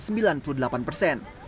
sembilan puluh delapan persen